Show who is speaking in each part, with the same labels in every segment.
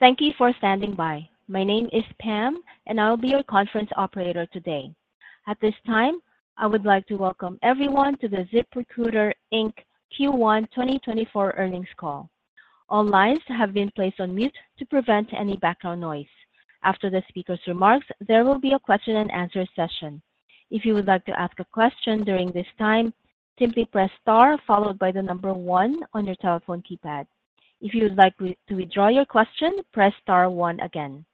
Speaker 1: Thank you for standing by. My name is Pam, and I'll be your conference operator today. At this time, I would like to welcome everyone to the ZipRecruiter, Inc. Q1 2024 earnings call. All lines have been placed on mute to prevent any background noise. After the speaker's remarks, there will be a question and answer session. If you would like to ask a question during this time, simply press star followed by the number one on your telephone keypad. If you would like to withdraw your question, press star one again.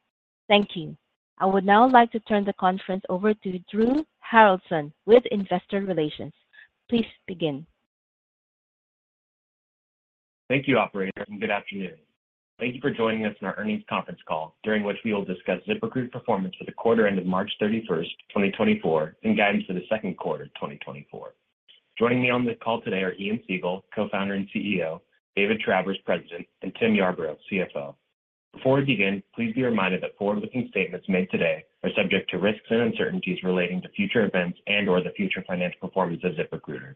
Speaker 1: Thank you. I would now like to turn the conference over to Drew Haroldson with Investor Relations. Please begin.
Speaker 2: Thank you, operator, and good afternoon. Thank you for joining us on our earnings conference call, during which we will discuss ZipRecruiter performance for the quarter ended March 31, 2024, and guidance for the second quarter of 2024. Joining me on this call today are Ian Siegel, Co-founder and CEO, David Travers, President, and Tim Yarbrough, CFO. Before we begin, please be reminded that forward-looking statements made today are subject to risks and uncertainties relating to future events and/or the future financial performance of ZipRecruiter.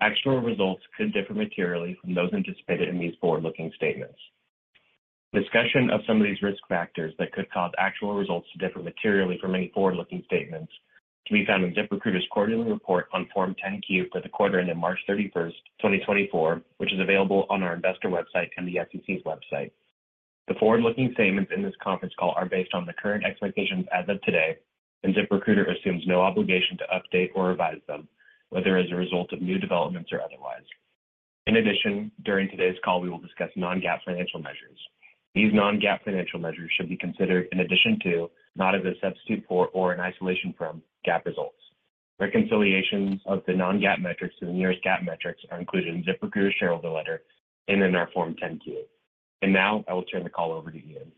Speaker 2: Actual results could differ materially from those anticipated in these forward-looking statements. Discussion of some of these risk factors that could cause actual results to differ materially from any forward-looking statements can be found in ZipRecruiter's quarterly report on Form 10-Q for the quarter ended March 31, 2024, which is available on our investor website and the SEC's website. The forward-looking statements in this conference call are based on the current expectations as of today, and ZipRecruiter assumes no obligation to update or revise them, whether as a result of new developments or otherwise. In addition, during today's call, we will discuss non-GAAP financial measures. These non-GAAP financial measures should be considered in addition to, not as a substitute for or in isolation from, GAAP results. Reconciliations of the non-GAAP metrics to the nearest GAAP metrics are included in ZipRecruiter's shareholder letter and in our Form 10-Q. Now I will turn the call over to Ian.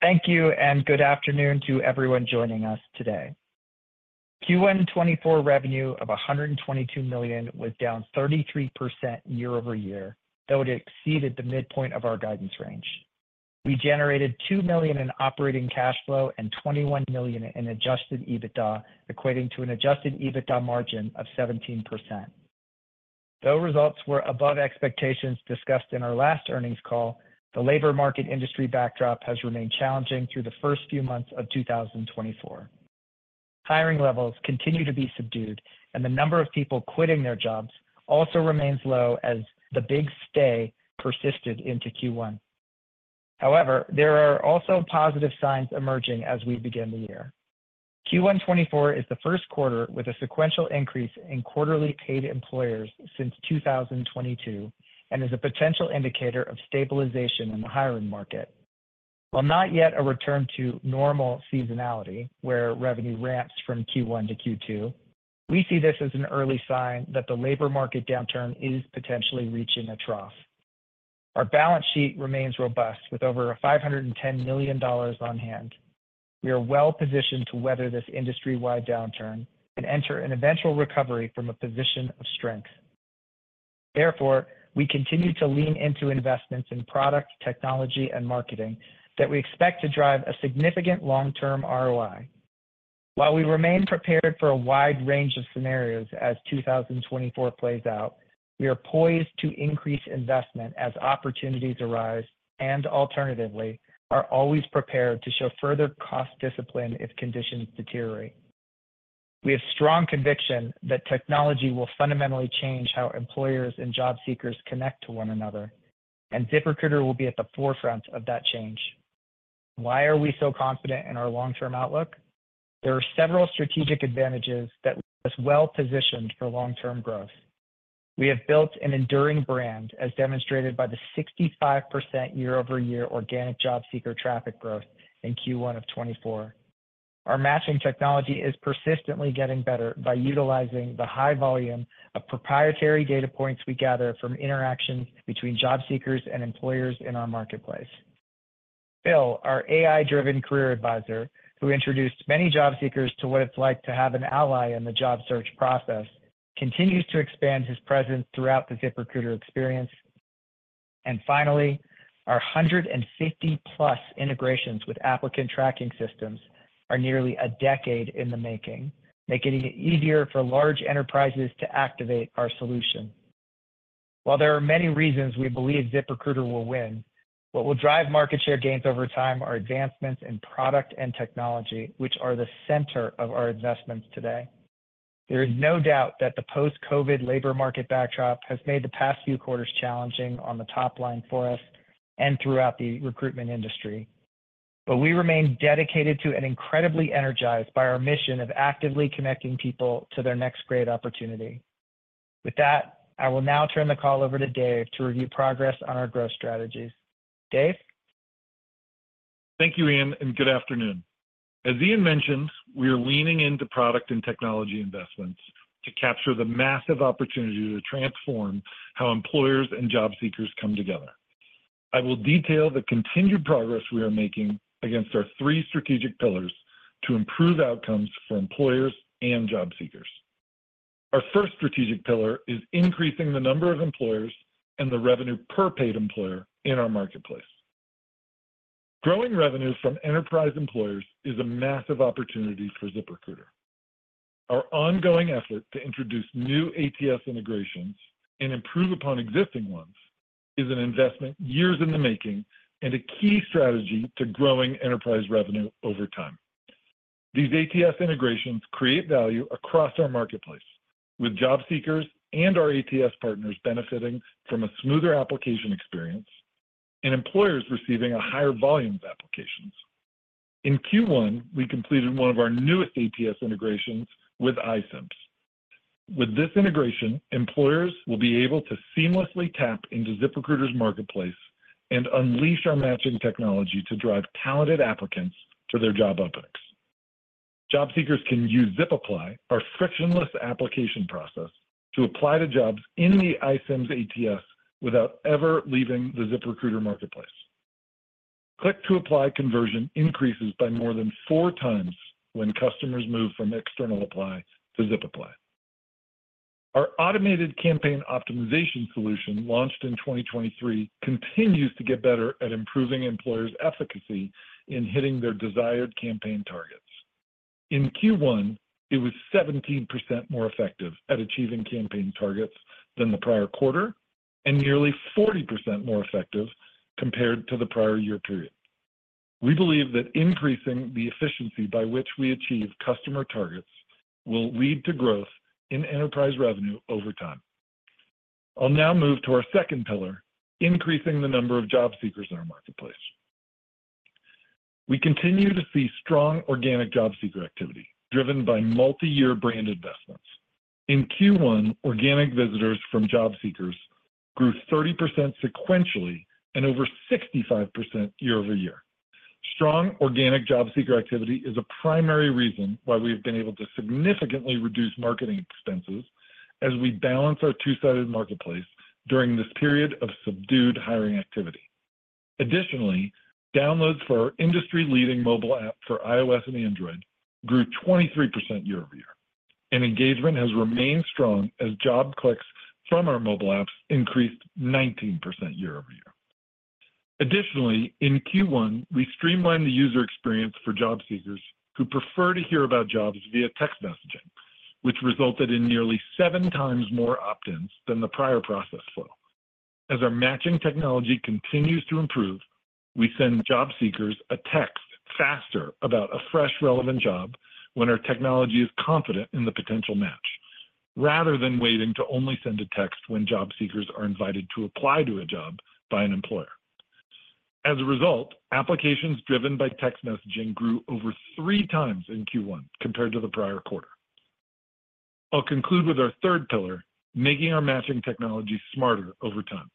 Speaker 3: Thank you, and good afternoon to everyone joining us today. Q1 2024 revenue of $122 million was down 33% year-over-year, though it exceeded the midpoint of our guidance range. We generated $2 million in operating cash flow and $21 million in Adjusted EBITDA, equating to an Adjusted EBITDA margin of 17%. Though results were above expectations discussed in our last earnings call, the labor market industry backdrop has remained challenging through the first few months of 2024. Hiring levels continue to be subdued, and the number of people quitting their jobs also remains low as the Big Stay persisted into Q1. However, there are also positive signs emerging as we begin the year. Q1 2024 is the first quarter with a sequential increase in quarterly paid employers since 2022 and is a potential indicator of stabilization in the hiring market. While not yet a return to normal seasonality, where revenue ramps from Q1 to Q2, we see this as an early sign that the labor market downturn is potentially reaching a trough. Our balance sheet remains robust, with over $510 million on hand. We are well positioned to weather this industry-wide downturn and enter an eventual recovery from a position of strength. Therefore, we continue to lean into investments in product, technology, and marketing that we expect to drive a significant long-term ROI. While we remain prepared for a wide range of scenarios as 2024 plays out, we are poised to increase investment as opportunities arise and alternatively, are always prepared to show further cost discipline if conditions deteriorate. We have strong conviction that technology will fundamentally change how employers and job seekers connect to one another, and ZipRecruiter will be at the forefront of that change. Why are we so confident in our long-term outlook? There are several strategic advantages that leave us well-positioned for long-term growth. We have built an enduring brand, as demonstrated by the 65% year-over-year organic job seeker traffic growth in Q1 of 2024. Our matching technology is persistently getting better by utilizing the high volume of proprietary data points we gather from interactions between job seekers and employers in our marketplace. Phil, our AI-driven career advisor, who introduced many job seekers to what it's like to have an ally in the job search process, continues to expand his presence throughout the ZipRecruiter experience. Finally, our 150+ integrations with applicant tracking systems are nearly a decade in the making, making it easier for large enterprises to activate our solution. While there are many reasons we believe ZipRecruiter will win, what will drive market share gains over time are advancements in product and technology, which are the center of our investments today. There is no doubt that the post-COVID labor market backdrop has made the past few quarters challenging on the top line for us and throughout the recruitment industry. We remain dedicated to and incredibly energized by our mission of actively connecting people to their next great opportunity. With that, I will now turn the call over to Dave to review progress on our growth strategies. Dave?
Speaker 4: Thank you, Ian, and good afternoon. As Ian mentioned, we are leaning into product and technology investments to capture the massive opportunity to transform how employers and job seekers come together. I will detail the continued progress we are making against our three strategic pillars to improve outcomes for employers and job seekers. Our first strategic pillar is increasing the number of employers and the revenue per paid employer in our marketplace.... Growing revenue from enterprise employers is a massive opportunity for ZipRecruiter. Our ongoing effort to introduce new ATS integrations and improve upon existing ones is an investment years in the making and a key strategy to growing enterprise revenue over time. These ATS integrations create value across our marketplace, with job seekers and our ATS partners benefiting from a smoother application experience, and employers receiving a higher volume of applications. In Q1, we completed one of our newest ATS integrations with iCIMS. With this integration, employers will be able to seamlessly tap into ZipRecruiter's marketplace and unleash our matching technology to drive talented applicants to their job openings. Job seekers can use ZipApply, our frictionless application process, to apply to jobs in the iCIMS ATS without ever leaving the ZipRecruiter marketplace. Click to apply conversion increases by more than 4 times when customers move from external apply to ZipApply. Our automated campaign optimization solution, launched in 2023, continues to get better at improving employers' efficacy in hitting their desired campaign targets. In Q1, it was 17% more effective at achieving campaign targets than the prior quarter, and nearly 40% more effective compared to the prior year period. We believe that increasing the efficiency by which we achieve customer targets will lead to growth in enterprise revenue over time. I'll now move to our second pillar, increasing the number of job seekers in our marketplace. We continue to see strong organic job seeker activity, driven by multi-year brand investments. In Q1, organic visitors from job seekers grew 30% sequentially and over 65% year-over-year. Strong organic job seeker activity is a primary reason why we have been able to significantly reduce marketing expenses as we balance our two-sided marketplace during this period of subdued hiring activity. Additionally, downloads for our industry-leading mobile app for iOS and Android grew 23% year-over-year, and engagement has remained strong as job clicks from our mobile apps increased 19% year-over-year. Additionally, in Q1, we streamlined the user experience for job seekers who prefer to hear about jobs via text messaging, which resulted in nearly 7 times more opt-ins than the prior process flow. As our matching technology continues to improve, we send job seekers a text faster about a fresh, relevant job when our technology is confident in the potential match, rather than waiting to only send a text when job seekers are invited to apply to a job by an employer. As a result, applications driven by text messaging grew over 3 times in Q1 compared to the prior quarter. I'll conclude with our third pillar, making our matching technology smarter over time.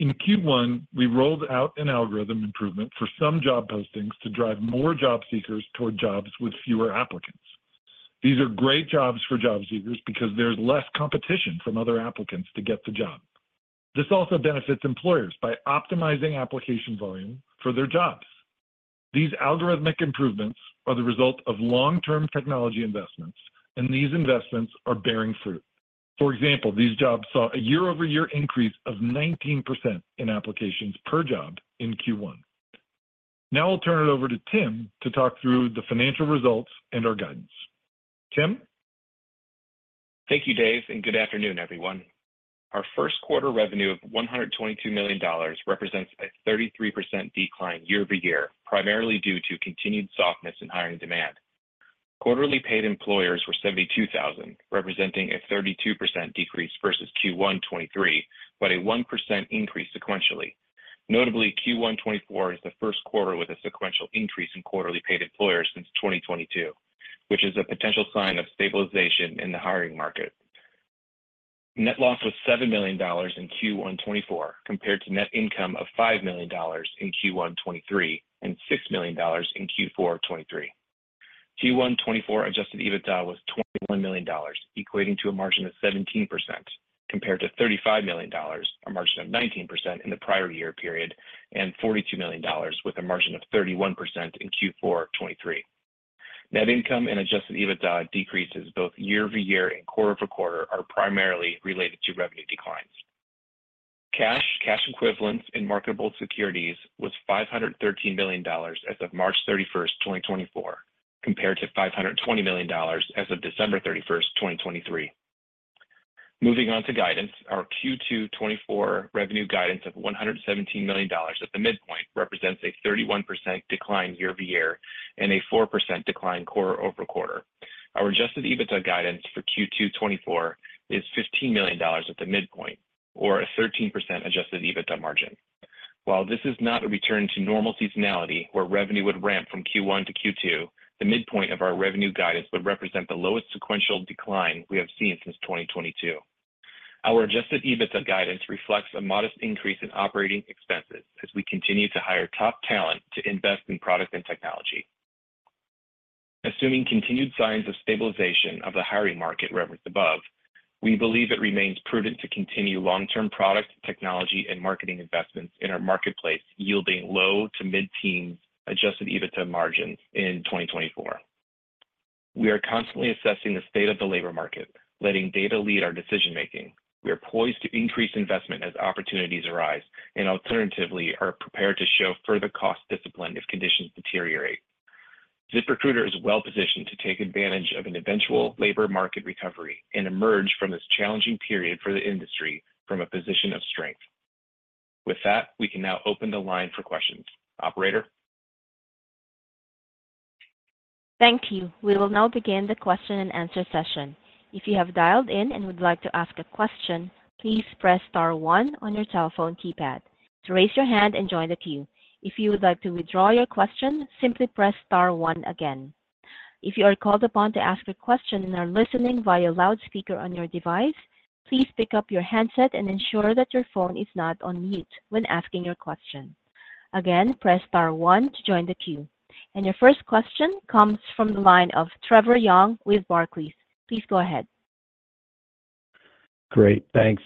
Speaker 4: In Q1, we rolled out an algorithm improvement for some job postings to drive more job seekers toward jobs with fewer applicants. These are great jobs for job seekers because there's less competition from other applicants to get the job. This also benefits employers by optimizing application volume for their jobs. These algorithmic improvements are the result of long-term technology investments, and these investments are bearing fruit. For example, these jobs saw a year-over-year increase of 19% in applications per job in Q1. Now I'll turn it over to Tim to talk through the financial results and our guidance. Tim?
Speaker 5: Thank you, Dave, and good afternoon, everyone. Our first quarter revenue of $122 million represents a 33% decline year-over-year, primarily due to continued softness in hiring demand. Quarterly paid employers were 72,000, representing a 32% decrease versus Q1 2023, but a 1% increase sequentially. Notably, Q1 2024 is the first quarter with a sequential increase in quarterly paid employers since 2022, which is a potential sign of stabilization in the hiring market. Net loss was $7 million in Q1 2024, compared to net income of $5 million in Q1 2023, and $6 million in Q4 2023. Q1 2024 Adjusted EBITDA was $21 million, equating to a margin of 17%, compared to $35 million, a margin of 19% in the prior year period, and $42 million with a margin of 31% in Q4 2023. Net income and Adjusted EBITDA decreases both year-over-year and quarter-over-quarter are primarily related to revenue declines. Cash, cash equivalents, and marketable securities was $513 million as of March 31, 2024, compared to $520 million as of December 31, 2023. Moving on to guidance, our Q2 2024 revenue guidance of $117 million at the midpoint represents a 31% decline year-over-year and a 4% decline quarter-over-quarter. Our adjusted EBITDA guidance for Q2 2024 is $15 million at the midpoint, or a 13% adjusted EBITDA margin. While this is not a return to normal seasonality, where revenue would ramp from Q1 to Q2, the midpoint of our revenue guidance would represent the lowest sequential decline we have seen since 2022. Our adjusted EBITDA guidance reflects a modest increase in operating expenses as we continue to hire top talent to invest in product and technology. Assuming continued signs of stabilization of the hiring market referenced above, we believe it remains prudent to continue long-term product, technology, and marketing investments in our marketplace, yielding low to mid-teen adjusted EBITDA margins in 2024. We are constantly assessing the state of the labor market, letting data lead our decision-making. We are poised to increase investment as opportunities arise, and alternatively, are prepared to show further cost discipline if conditions deteriorate. ZipRecruiter is well-positioned to take advantage of an eventual labor market recovery and emerge from this challenging period for the industry from a position of strength. With that, we can now open the line for questions. Operator?
Speaker 1: Thank you. We will now begin the question and answer session. If you have dialed in and would like to ask a question, please press star one on your telephone keypad to raise your hand and join the queue. If you would like to withdraw your question, simply press star one again. If you are called upon to ask a question and are listening via loudspeaker on your device, please pick up your handset and ensure that your phone is not on mute when asking your question. Again, press star one to join the queue. Your first question comes from the line of Trevor Young with Barclays. Please go ahead.
Speaker 6: Great. Thanks.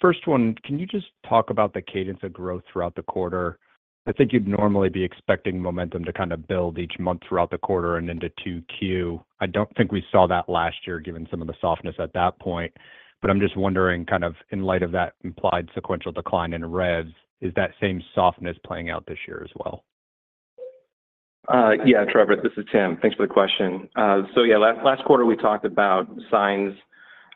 Speaker 6: First one, can you just talk about the cadence of growth throughout the quarter? I think you'd normally be expecting momentum to kind of build each month throughout the quarter and into 2Q. I don't think we saw that last year, given some of the softness at that point, but I'm just wondering, kind of in light of that implied sequential decline in revs, is that same softness playing out this year as well?
Speaker 5: Yeah, Trevor, this is Tim. Thanks for the question. So yeah, last quarter, we talked about signs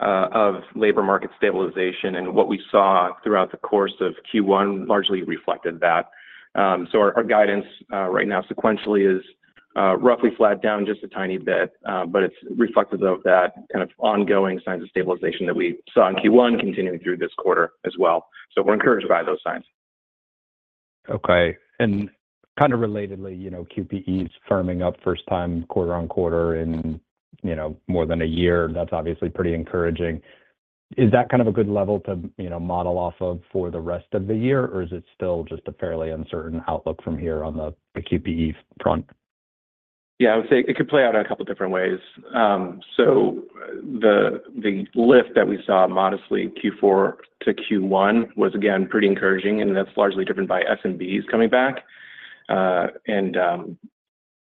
Speaker 5: of labor market stabilization, and what we saw throughout the course of Q1 largely reflected that. So our guidance right now sequentially is roughly flat down just a tiny bit, but it's reflective of that kind of ongoing signs of stabilization that we saw in Q1 continuing through this quarter as well. So we're encouraged by those signs.
Speaker 6: Okay. And kind of relatedly, you know, QPE is firming up first time quarter on quarter in, you know, more than a year. That's obviously pretty encouraging. Is that kind of a good level to, you know, model off of for the rest of the year, or is it still just a fairly uncertain outlook from here on the, the QPE front?
Speaker 5: Yeah, I would say it could play out a couple different ways. So the lift that we saw modestly in Q4 to Q1 was, again, pretty encouraging, and that's largely driven by SMBs coming back.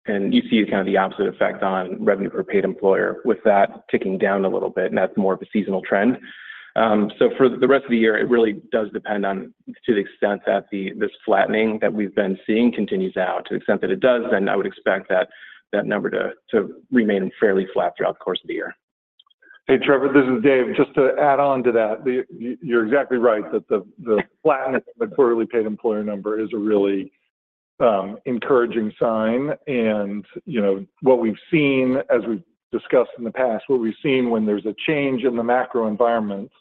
Speaker 5: And you see kind of the opposite effect on revenue per paid employer, with that ticking down a little bit, and that's more of a seasonal trend. So for the rest of the year, it really does depend on to the extent that this flattening that we've been seeing continues out. To the extent that it does, then I would expect that number to remain fairly flat throughout the course of the year.
Speaker 4: Hey, Trevor, this is Dave. Just to add on to that. You, you're exactly right, that the flatness of the quarterly paid employer number is a really encouraging sign. And, you know, what we've seen, as we've discussed in the past, what we've seen when there's a change in the macro environment,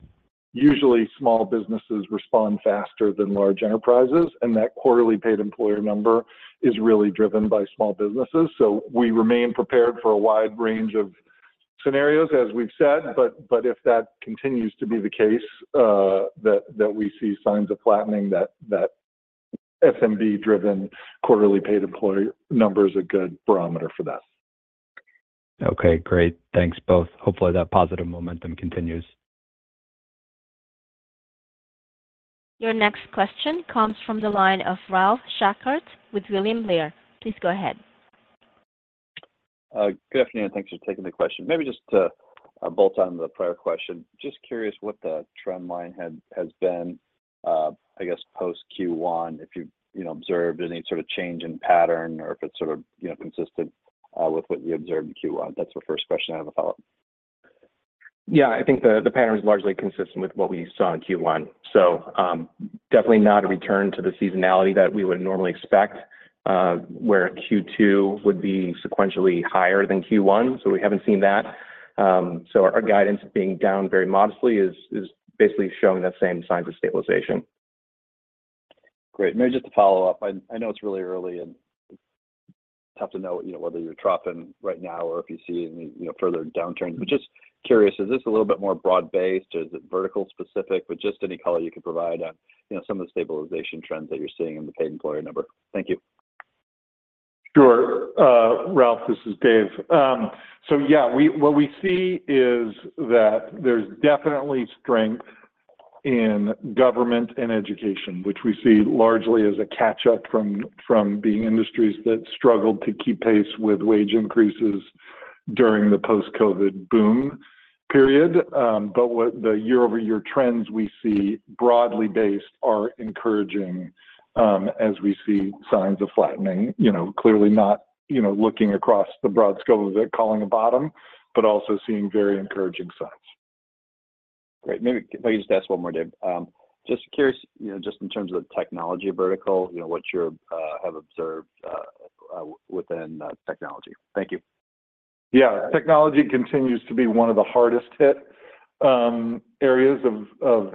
Speaker 4: usually small businesses respond faster than large enterprises, and that quarterly paid employer number is really driven by small businesses. So we remain prepared for a wide range of scenarios, as we've said, but if that continues to be the case, that we see signs of flattening, that SMB-driven quarterly paid employer number is a good barometer for that.
Speaker 6: Okay, great. Thanks, both. Hopefully, that positive momentum continues.
Speaker 1: Your next question comes from the line of Ralph Schackart with William Blair. Please go ahead.
Speaker 7: Good afternoon. Thanks for taking the question. Maybe just to, bolt on to the prior question, just curious what the trend line has been, I guess, post Q1, if you've, you know, observed any sort of change in pattern or if it's sort of, you know, consistent, with what you observed in Q1. That's the first question. I have a follow-up.
Speaker 5: Yeah, I think the pattern is largely consistent with what we saw in Q1. So, definitely not a return to the seasonality that we would normally expect, where Q2 would be sequentially higher than Q1, so we haven't seen that. So our guidance being down very modestly is basically showing the same signs of stabilization.
Speaker 7: Great. Maybe just to follow up, I, I know it's really early and tough to know, you know, whether you're dropping right now or if you see any, you know, further downturns, but just curious, is this a little bit more broad-based, or is it vertical-specific? But just any color you can provide on, you know, some of the stabilization trends that you're seeing in the paid employer number. Thank you.
Speaker 4: Sure. Ralph, this is Dave. So yeah, what we see is that there's definitely strength in government and education, which we see largely as a catch-up from being industries that struggled to keep pace with wage increases during the post-COVID boom period. But what the year-over-year trends we see broadly based are encouraging, as we see signs of flattening. You know, clearly not, you know, looking across the broad scope of it, calling a bottom, but also seeing very encouraging signs.
Speaker 7: Great. Maybe, maybe just ask one more, Dave. Just curious, you know, just in terms of technology vertical, you know, what you're have observed within technology. Thank you.
Speaker 4: Yeah. Technology continues to be one of the hardest hit areas of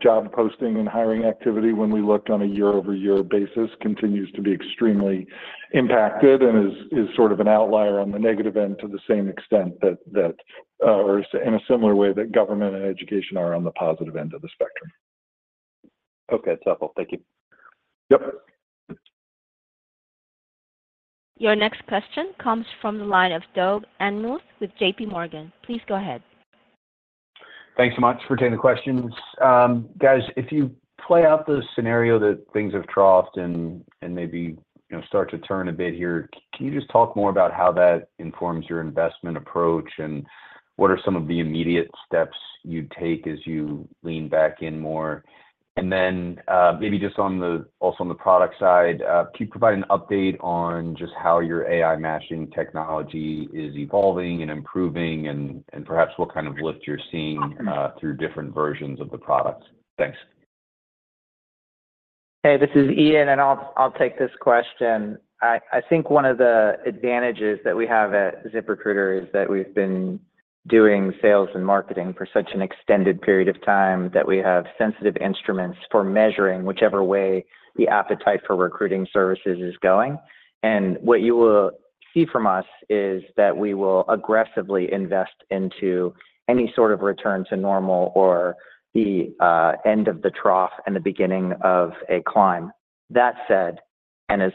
Speaker 4: job posting and hiring activity when we looked on a year-over-year basis. Continues to be extremely impacted and is sort of an outlier on the negative end to the same extent that or in a similar way that government and education are on the positive end of the spectrum.
Speaker 7: Okay. It's helpful. Thank you.
Speaker 4: Yep.
Speaker 1: Your next question comes from the line of Doug Anmuth with JP Morgan. Please go ahead.
Speaker 8: Thanks so much for taking the questions. Guys, if you play out the scenario that things have troughed and maybe, you know, start to turn a bit here, can you just talk more about how that informs your investment approach, and what are some of the immediate steps you'd take as you lean back in more? And then, maybe just on the, also on the product side, can you provide an update on just how your AI matching technology is evolving and improving and perhaps what kind of lift you're seeing through different versions of the products? Thanks.
Speaker 3: Hey, this is Ian, and I'll take this question. I think one of the advantages that we have at ZipRecruiter is that we've been doing sales and marketing for such an extended period of time, that we have sensitive instruments for measuring whichever way the appetite for recruiting services is going. And what you will see from us is that we will aggressively invest into any sort of return to normal or the end of the trough and the beginning of a climb. That said, and as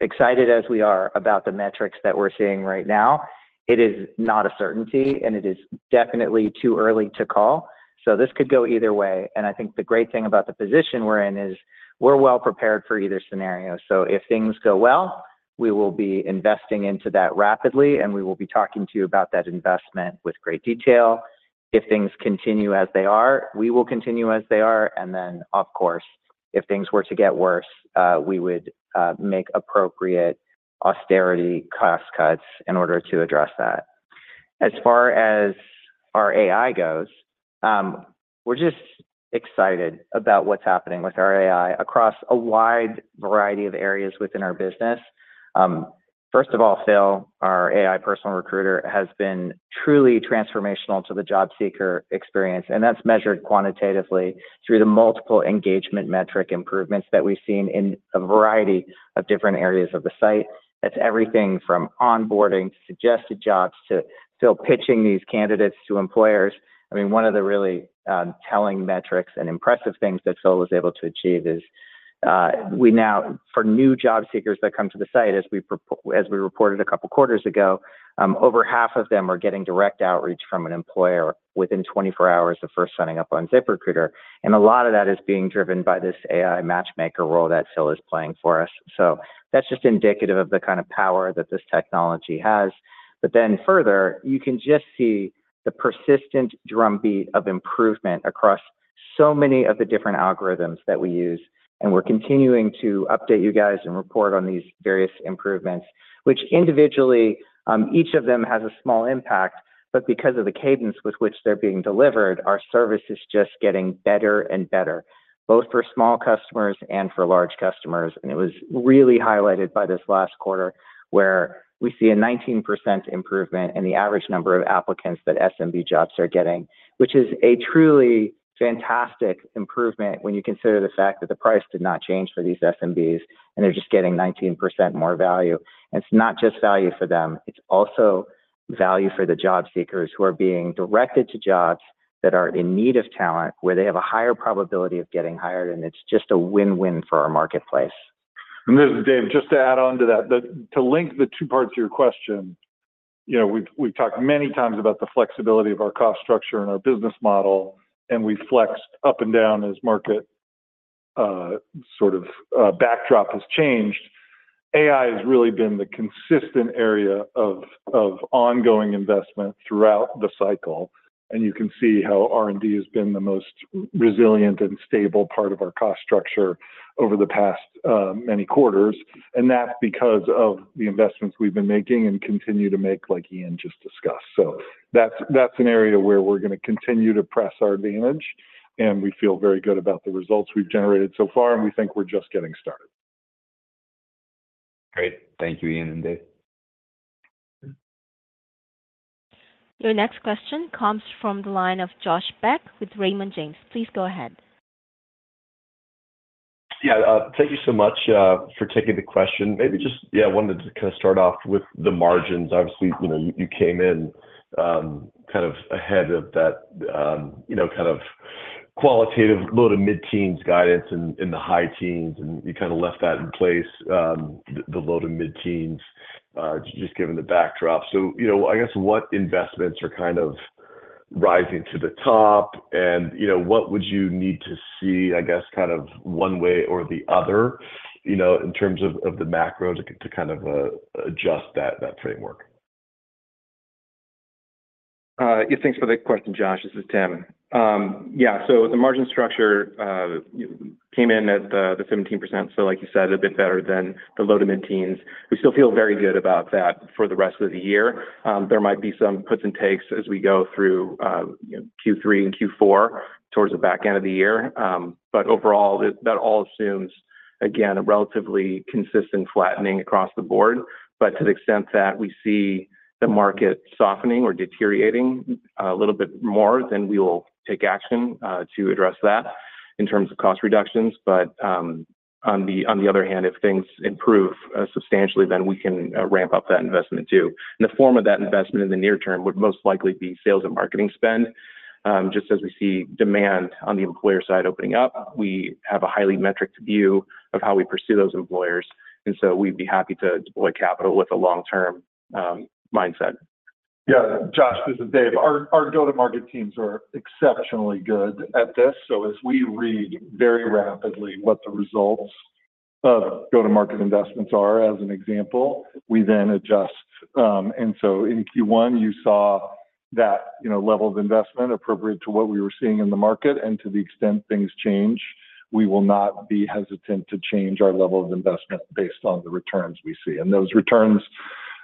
Speaker 3: excited as we are about the metrics that we're seeing right now, it is not a certainty, and it is definitely too early to call, so this could go either way. And I think the great thing about the position we're in is, we're well prepared for either scenario. So if things go well, we will be investing into that rapidly, and we will be talking to you about that investment with great detail. If things continue as they are, we will continue as they are, and then, of course, if things were to get worse, we would make appropriate austerity cost cuts in order to address that. As far as our AI goes, we're just excited about what's happening with our AI across a wide variety of areas within our business. First of all, Phil, our AI personal recruiter, has been truly transformational to the job seeker experience, and that's measured quantitatively through the multiple engagement metric improvements that we've seen in a variety of different areas of the site. That's everything from onboarding, to suggested jobs, to Phil pitching these candidates to employers. I mean, one of the really telling metrics and impressive things that Phil was able to achieve is, we now for new job seekers that come to the site, as we reported a couple quarters ago, over half of them are getting direct outreach from an employer within 24 hours of first signing up on ZipRecruiter, and a lot of that is being driven by this AI matchmaker role that Phil is playing for us. So that's just indicative of the kind of power that this technology has. But then further, you can just see the persistent drumbeat of improvement across so many of the different algorithms that we use, and we're continuing to update you guys and report on these various improvements, which individually, each of them has a small impact, but because of the cadence with which they're being delivered, our service is just getting better and better, both for small customers and for large customers. And it was really highlighted by this last quarter, where we see a 19% improvement in the average number of applicants that SMB jobs are getting, which is a truly fantastic improvement when you consider the fact that the price did not change for these SMBs, and they're just getting 19% more value. It's not just value for them, it's also value for the job seekers who are being directed to jobs that are in need of talent, where they have a higher probability of getting hired, and it's just a win-win for our marketplace.
Speaker 4: And this is Dave. Just to add on to that. To link the two parts of your question, you know, we've talked many times about the flexibility of our cost structure and our business model, and we've flexed up and down as market, sort of, backdrop has changed. AI has really been the consistent area of ongoing investment throughout the cycle, and you can see how R&D has been the most resilient and stable part of our cost structure over the past many quarters, and that's because of the investments we've been making and continue to make, like Ian just discussed. So that's an area where we're gonna continue to press our advantage, and we feel very good about the results we've generated so far, and we think we're just getting started.
Speaker 8: Great. Thank you, Ian and Dave.
Speaker 1: Your next question comes from the line of Josh Beck with Raymond James. Please go ahead.
Speaker 9: Yeah, thank you so much for taking the question. Maybe just, yeah, I wanted to kind of start off with the margins. Obviously, you know, you came in kind of ahead of that you know kind of qualitative low to mid-teens guidance in the high teens, and you kind of left that in place, the low to mid-teens just given the backdrop. So, you know, I guess what investments are kind of rising to the top? And, you know, what would you need to see, I guess, kind of one way or the other, you know, in terms of the macro to kind of adjust that framework?
Speaker 5: Yeah, thanks for the question, Josh. This is Tim. Yeah, so the margin structure came in at the 17%, so like you said, a bit better than the low- to mid-teens. We still feel very good about that for the rest of the year. There might be some puts and takes as we go through Q3 and Q4 towards the back end of the year. But overall, that all assumes, again, a relatively consistent flattening across the board. But to the extent that we see the market softening or deteriorating a little bit more, then we will take action to address that in terms of cost reductions. But on the other hand, if things improve substantially, then we can ramp up that investment too. The form of that investment in the near term would most likely be sales and marketing spend. Just as we see demand on the employer side opening up, we have a highly metriced view of how we pursue those employers. And so we'd be happy to deploy capital with a long-term mindset.
Speaker 4: Yeah, Josh, this is Dave. Our go-to-market teams are exceptionally good at this. So as we read very rapidly what the results of go-to-market investments are, as an example, we then adjust. And so in Q1, you saw that, you know, level of investment appropriate to what we were seeing in the market. And to the extent things change, we will not be hesitant to change our level of investment based on the returns we see. And those returns,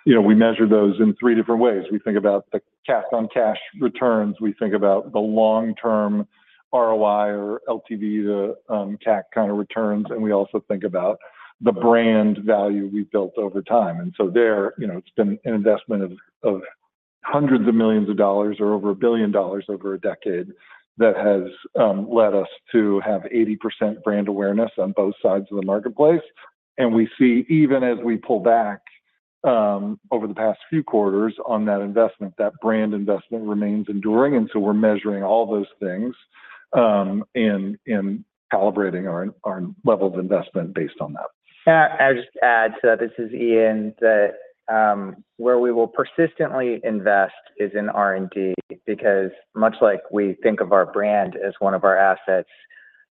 Speaker 4: you know, we measure those in three different ways. We think about the cash-on-cash returns, we think about the long-term ROI or LTV to TAC kind of returns, and we also think about the brand value we've built over time. So there, you know, it's been an investment of hundreds of millions of dollars or over $1 billion over a decade that has led us to have 80% brand awareness on both sides of the marketplace. And we see, even as we pull back over the past few quarters on that investment, that brand investment remains enduring, and so we're measuring all those things in calibrating our level of investment based on that.
Speaker 3: Yeah. I'll just add to that. This is Ian. Where we will persistently invest is in R&D, because much like we think of our brand as one of our assets,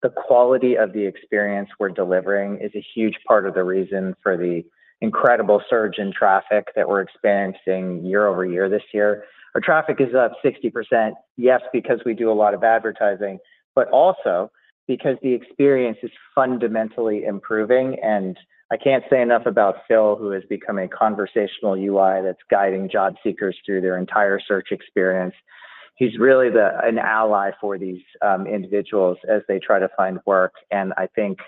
Speaker 3: the quality of the experience we're delivering is a huge part of the reason for the incredible surge in traffic that we're experiencing year-over-year this year. Our traffic is up 60%. Yes, because we do a lot of advertising, but also because the experience is fundamentally improving. And I can't say enough about Phil, who has become a conversational UI that's guiding job seekers through their entire search experience. He's really an ally for these individuals as they try to find work, and I think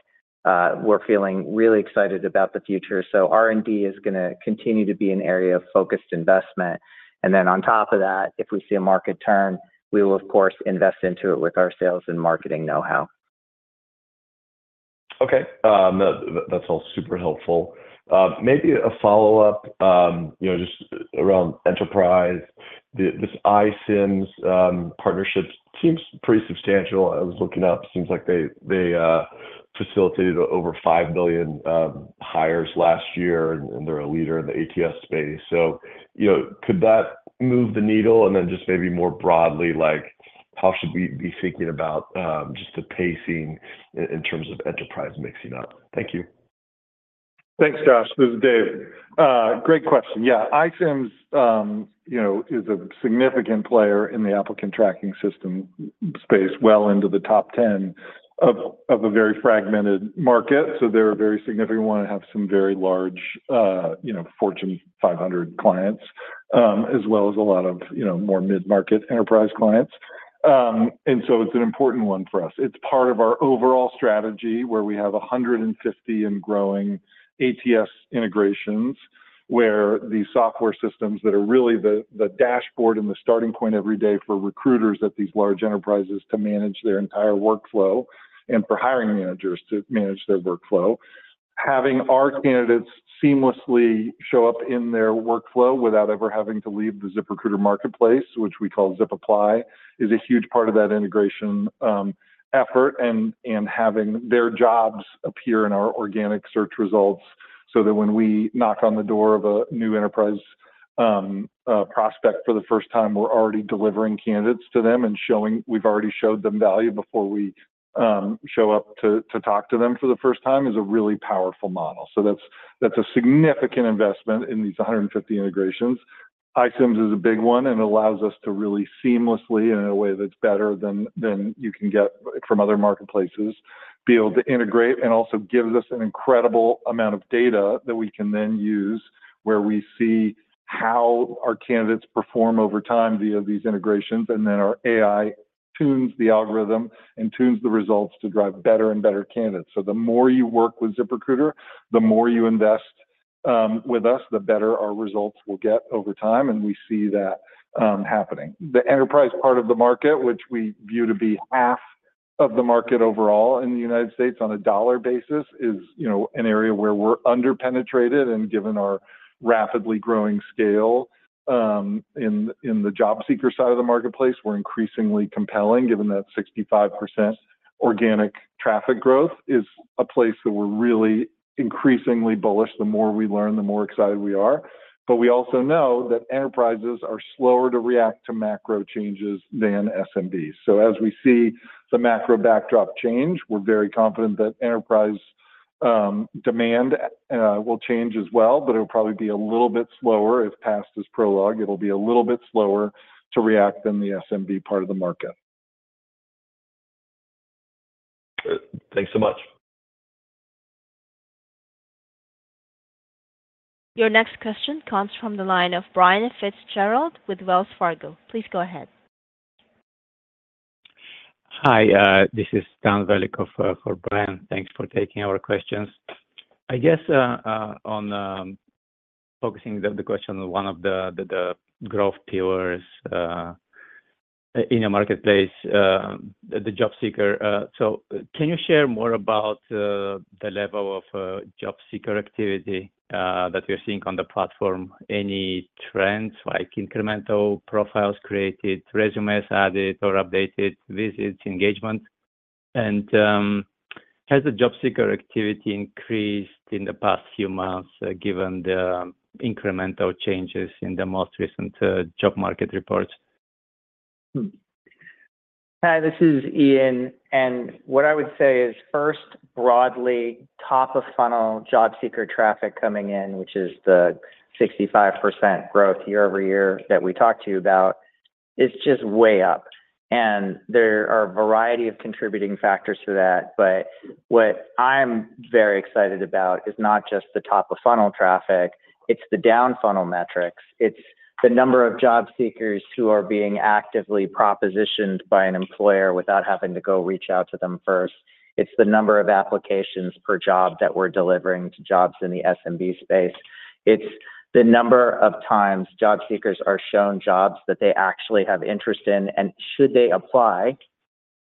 Speaker 3: we're feeling really excited about the future. So R&D is gonna continue to be an area of focused investment. And then on top of that, if we see a market turn, we will, of course, invest into it with our sales and marketing know-how.
Speaker 9: Okay. That, that's all super helpful. Maybe a follow-up, you know, just around enterprise. This iCIMS partnership seems pretty substantial. I was looking up, seems like they, they, facilitated over 5 billion hires last year, and they're a leader in the ATS space. So, you know, could that move the needle? And then just maybe more broadly, like, how should we be thinking about, just the pacing in terms of enterprise mixing up? Thank you.
Speaker 4: Thanks, Josh. This is Dave. Great question. Yeah, iCIMS, you know, is a significant player in the applicant tracking system space, well into the top ten of a very fragmented market. So they're a very significant one and have some very large, you know, Fortune 500 clients, as well as a lot of, you know, more mid-market enterprise clients. And so it's an important one for us. It's part of our overall strategy, where we have 150 and growing ATS integrations, where the software systems that are really the dashboard and the starting point every day for recruiters at these large enterprises to manage their entire workflow, and for hiring managers to manage their workflow. Having our candidates seamlessly show up in their workflow without ever having to leave the ZipRecruiter marketplace, which we call ZipApply, is a huge part of that integration effort. And having their jobs appear in our organic search results so that when we knock on the door of a new enterprise prospect for the first time, we're already delivering candidates to them and showing... We've already showed them value before we show up to talk to them for the first time, is a really powerful model. So that's a significant investment in these 150 integrations. iCIMS is a big one and allows us to really seamlessly, in a way that's better than you can get from other marketplaces, be able to integrate. Also gives us an incredible amount of data that we can then use, where we see how our candidates perform over time via these integrations, and then our AI tunes the algorithm and tunes the results to drive better and better candidates. The more you work with ZipRecruiter, the more you invest, with us, the better our results will get over time, and we see that, happening. The enterprise part of the market, which we view to be half of the market overall in the United States on a dollar basis, is, you know, an area where we're under-penetrated. Given our rapidly growing scale, in the job seeker side of the marketplace, we're increasingly compelling, given that 65% organic traffic growth is a place that we're really increasingly bullish. The more we learn, the more excited we are. But we also know that enterprises are slower to react to macro changes than SMBs. So as we see the macro backdrop change, we're very confident that enterprise demand will change as well, but it'll probably be a little bit slower. If past is prologue, it'll be a little bit slower to react than the SMB part of the market.
Speaker 9: Great. Thanks so much.
Speaker 1: Your next question comes from the line of Brian Fitzgerald with Wells Fargo. Please go ahead.
Speaker 10: Hi, this is Stan Velikov for Brian. Thanks for taking our questions. I guess, on focusing the question, one of the growth pillars in your marketplace, the job seeker. So can you share more about the level of job seeker activity that you're seeing on the platform? Any trends like incremental profiles created, resumes added or updated, visits, engagement?... And, has the job seeker activity increased in the past few months, given the incremental changes in the most recent job market reports?
Speaker 3: Hi, this is Ian, and what I would say is first, broadly, top of funnel job seeker traffic coming in, which is the 65% growth year-over-year that we talked to you about, is just way up. And there are a variety of contributing factors to that, but what I'm very excited about is not just the top of funnel traffic, it's the down funnel metrics. It's the number of job seekers who are being actively propositioned by an employer without having to go reach out to them first. It's the number of applications per job that we're delivering to jobs in the SMB space. It's the number of times job seekers are shown jobs that they actually have interest in, and should they apply,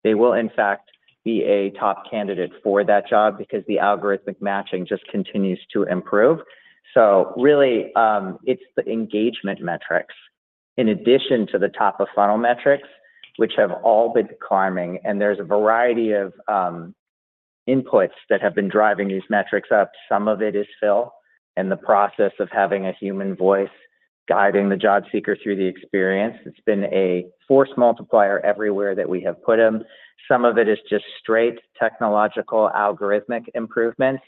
Speaker 3: they will in fact, be a top candidate for that job because the algorithmic matching just continues to improve. Really, it's the engagement metrics in addition to the top of funnel metrics, which have all been climbing, and there's a variety of inputs that have been driving these metrics up. Some of it is Phil, and the process of having a human voice guiding the job seeker through the experience. It's been a force multiplier everywhere that we have put them. Some of it is just straight technological, algorithmic improvements,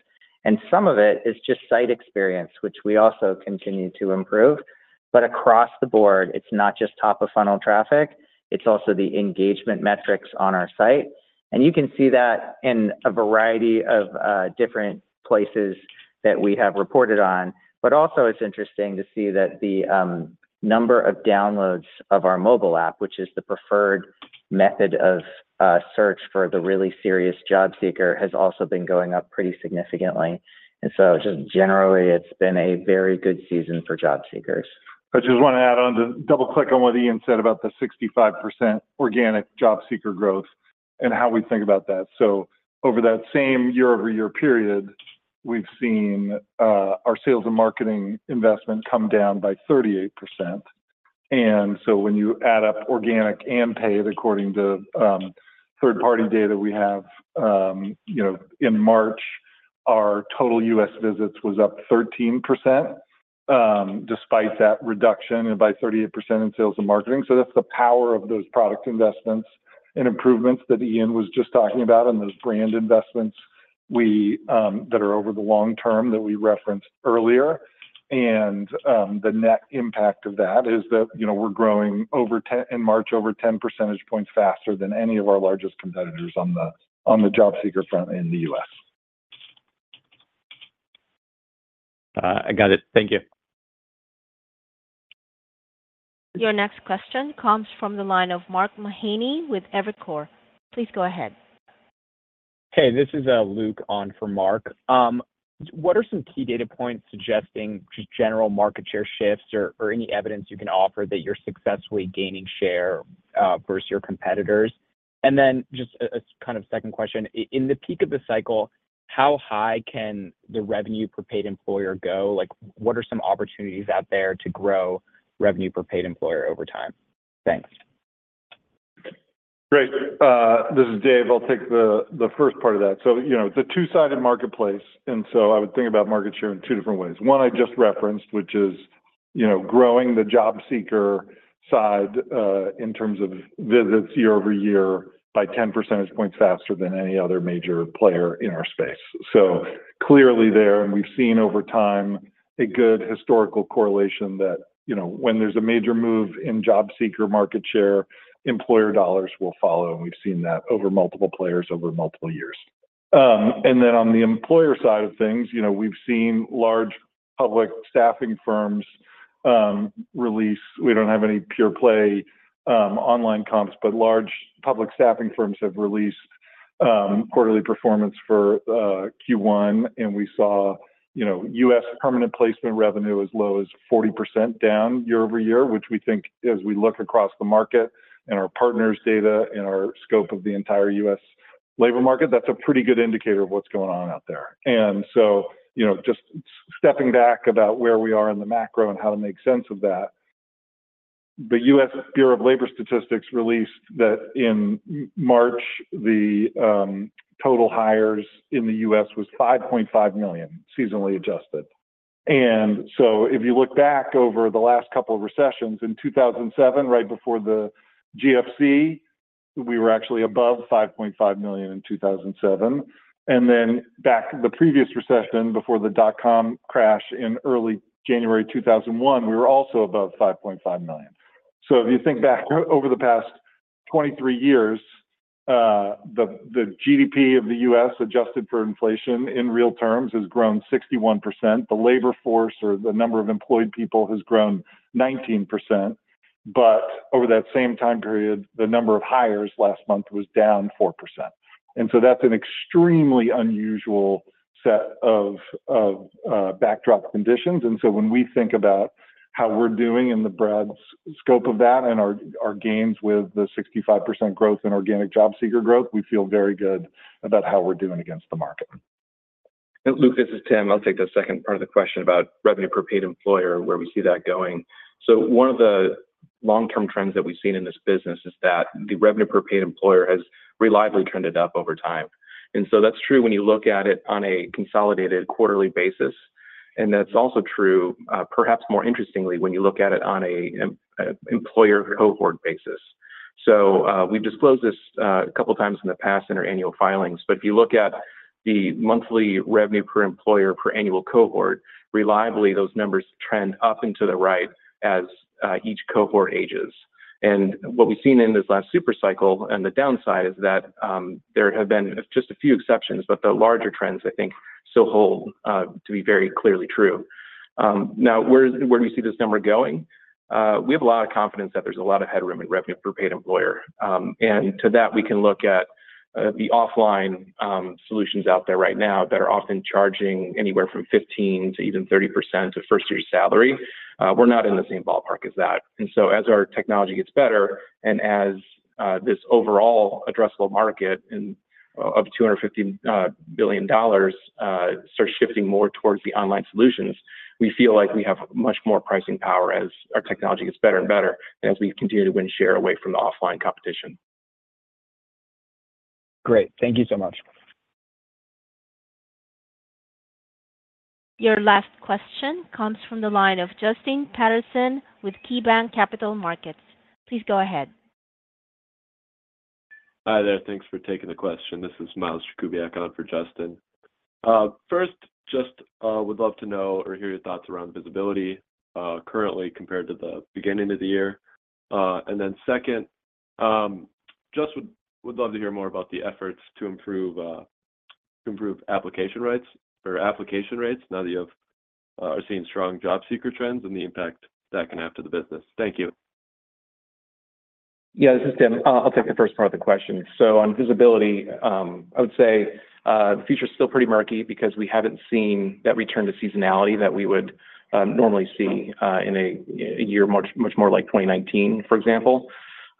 Speaker 3: and some of it is just site experience, which we also continue to improve. Across the board, it's not just top of funnel traffic, it's also the engagement metrics on our site. You can see that in a variety of different places that we have reported on. But also, it's interesting to see that the number of downloads of our mobile app, which is the preferred method of search for the really serious job seeker, has also been going up pretty significantly. And so just generally, it's been a very good season for job seekers.
Speaker 4: I just want to add on to double click on what Ian said about the 65% organic job seeker growth and how we think about that. So over that same year-over-year period, we've seen our sales and marketing investment come down by 38%. And so when you add up organic and paid, according to third-party data we have, you know, in March, our total U.S. visits was up 13% despite that reduction by 38% in sales and marketing. So that's the power of those product investments and improvements that Ian was just talking about, and those brand investments we that are over the long term that we referenced earlier. And the net impact of that is that, you know, we're growing over 10 In March, over 10 percentage points faster than any of our largest competitors on the job seeker front in the U.S.
Speaker 10: I got it. Thank you.
Speaker 1: Your next question comes from the line of Mark Mahaney with Evercore. Please go ahead.
Speaker 11: Hey, this is Luke on for Mark. What are some key data points suggesting just general market share shifts or any evidence you can offer that you're successfully gaining share versus your competitors? And then just a kind of second question, in the peak of the cycle, how high can the revenue per paid employer go? Like, what are some opportunities out there to grow revenue per paid employer over time? Thanks.
Speaker 4: Great. This is Dave. I'll take the first part of that. So, you know, it's a two-sided marketplace, and so I would think about market share in two different ways. One, I just referenced, which is, you know, growing the job seeker side in terms of visits year-over-year by 10 percentage points faster than any other major player in our space. So clearly there, and we've seen over time a good historical correlation that, you know, when there's a major move in job seeker market share, employer dollars will follow, and we've seen that over multiple players over multiple years. And then on the employer side of things, you know, we've seen large public staffing firms release... We don't have any pure play online comps, but large public staffing firms have released quarterly performance for Q1, and we saw, you know, U.S. permanent placement revenue as low as 40% down year-over-year, which we think as we look across the market and our partners' data and our scope of the entire U.S. labor market, that's a pretty good indicator of what's going on out there. And so, you know, just stepping back about where we are in the macro and how to make sense of that, the U.S. Bureau of Labor Statistics released that in March, the total hires in the U.S. was 5.5 million, seasonally adjusted. And so if you look back over the last couple of recessions, in 2007, right before the GFC, we were actually above 5.5 million in 2007. And then back in the previous recession, before the dot-com crash in early January 2001, we were also above 5.5 million. So if you think back over the past 23 years, the GDP of the U.S., adjusted for inflation in real terms, has grown 61%. The labor force or the number of employed people has grown 19%. But over that same time period, the number of hires last month was down 4%. And so that's an extremely unusual set of backdrop conditions. And so when we think about how we're doing in the broad scope of that and our gains with the 65% growth in organic job seeker growth, we feel very good about how we're doing against the market.
Speaker 5: Luke, this is Tim. I'll take the second part of the question about revenue per paid employer, where we see that going. So one of the long-term trends that we've seen in this business is that the revenue per paid employer has reliably trended up over time. And so that's true when you look at it on a consolidated quarterly basis, and that's also true, perhaps more interestingly, when you look at it on a, a employer cohort basis. So, we've disclosed this, a couple of times in the past in our annual filings, but if you look at the monthly revenue per employer per annual cohort, reliably, those numbers trend up into the right as, each cohort ages. What we've seen in this last super cycle and the downside is that, there have been just a few exceptions, but the larger trends, I think, still hold, to be very clearly true. Now, where do we see this number going? We have a lot of confidence that there's a lot of headroom in revenue per paid employer. And to that, we can look at, the offline solutions out there right now that are often charging anywhere from 15%-even 30% of first year's salary. We're not in the same ballpark as that. And so as our technology gets better and as this overall addressable market of $250 billion dollars starts shifting more towards the online solutions, we feel like we have much more pricing power as our technology gets better and better, and as we continue to win share away from the offline competition.
Speaker 11: Great. Thank you so much.
Speaker 1: Your last question comes from the line of Justin Patterson with KeyBanc Capital Markets. Please go ahead.
Speaker 12: Hi there. Thanks for taking the question. This is Miles Jakubiak on for Justin. First, just would love to know or hear your thoughts around visibility currently compared to the beginning of the year. And then second, just would love to hear more about the efforts to improve application rates now that you are seeing strong job seeker trends and the impact that can have to the business. Thank you.
Speaker 5: Yeah, this is Tim. I'll take the first part of the question. So on visibility, I would say the future is still pretty murky because we haven't seen that return to seasonality that we would normally see in a year much more like 2019, for example.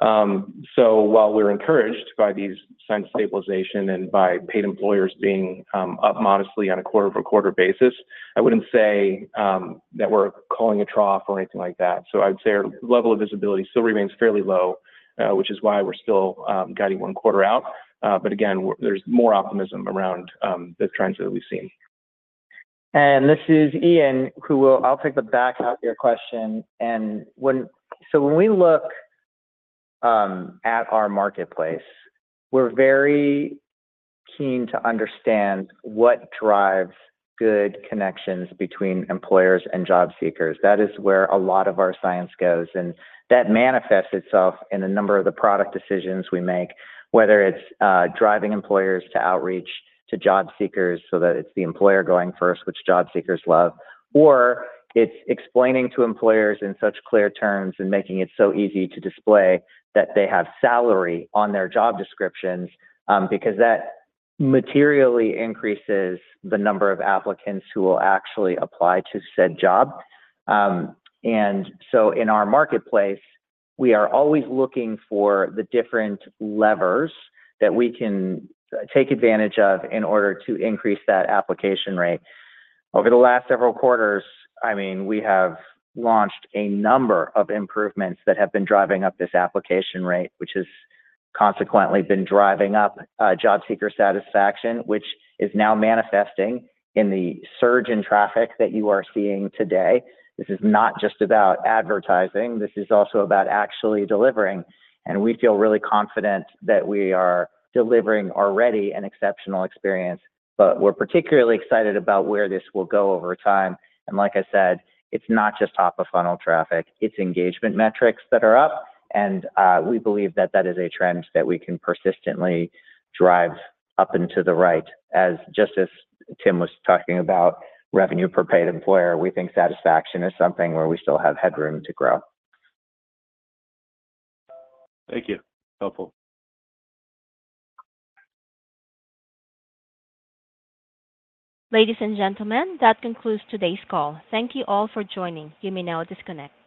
Speaker 5: So while we're encouraged by these signs of stabilization and by paid employers being up modestly on a quarter-over-quarter basis, I wouldn't say that we're calling a trough or anything like that. So I'd say our level of visibility still remains fairly low, which is why we're still guiding one quarter out. But again, there's more optimism around the trends that we've seen.
Speaker 3: This is Ian, who will. I'll take the back half of your question. So when we look at our marketplace, we're very keen to understand what drives good connections between employers and job seekers. That is where a lot of our science goes, and that manifests itself in a number of the product decisions we make, whether it's driving employers to outreach to job seekers so that it's the employer going first, which job seekers love, or it's explaining to employers in such clear terms and making it so easy to display that they have salary on their job descriptions because that materially increases the number of applicants who will actually apply to said job. And so in our marketplace, we are always looking for the different levers that we can take advantage of in order to increase that application rate. Over the last several quarters, I mean, we have launched a number of improvements that have been driving up this application rate, which has consequently been driving up job seeker satisfaction, which is now manifesting in the surge in traffic that you are seeing today. This is not just about advertising. This is also about actually delivering, and we feel really confident that we are delivering already an exceptional experience. But we're particularly excited about where this will go over time. And like I said, it's not just top-of-funnel traffic. It's engagement metrics that are up, and we believe that that is a trend that we can persistently drive up into the right. Just as Tim was talking about revenue per paid employer, we think satisfaction is something where we still have headroom to grow.
Speaker 12: Thank you. Helpful.
Speaker 1: Ladies and gentlemen, that concludes today's call. Thank you all for joining. You may now disconnect.